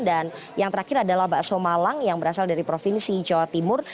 dan yang terakhir adalah bakso malang yang berasal dari provinsi jawa timur